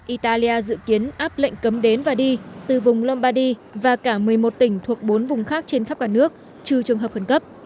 italia dự kiến áp lệnh cấm đến và đi từ vùng lombady và cả một mươi một tỉnh thuộc bốn vùng khác trên khắp cả nước trừ trường hợp khẩn cấp